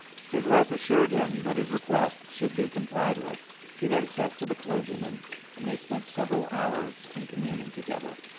His wife assured him that his request should be complied with. He then sent for the clergyman and they spent several hours in communing together.